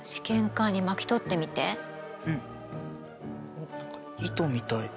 おっ何か糸みたいな。